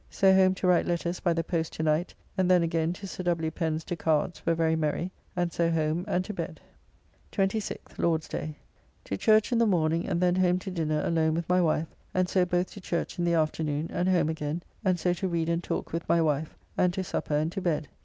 So home to write letters by the post to night, and then again to Sir W. Pen's to cards, where very merry, and so home and to bed. 26th (Lord's day). To church in the morning, and then home to dinner alone with my wife, and so both to church in the afternoon and home again, and so to read and talk with my wife, and to supper and to bed.